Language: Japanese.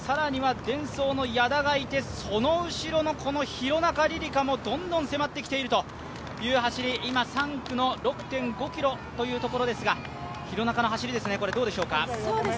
更にはデンソーの矢田がいて、その後ろのこの廣中璃梨佳もどんどん迫ってきているという走り、今、３区の６．５ｋｍですが、廣中の走り、どうでしょうか？